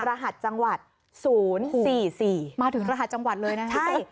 รหัสจังหวัดศูนย์สี่สี่มาถึงรหัสจังหวัดเลยน่ะใช่